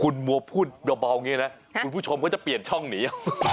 คุณมัวพูดเบาอย่างนี้นะคุณผู้ชมก็จะเปลี่ยนช่องหนี